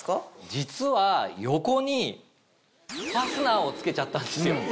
実は横にファスナーを付けちゃったんですよ。